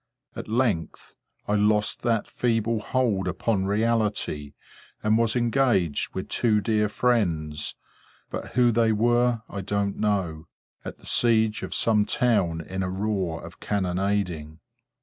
At length, I lost that feeble hold upon reality, and was engaged with two dear friends, but who they were I don't know, at the siege of some town in a roar of cannonading.